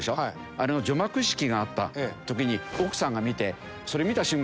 あれの除幕式があった時に奥さんが見てそれ見た瞬間